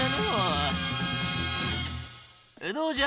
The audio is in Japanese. どうじゃ？